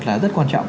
là rất quan trọng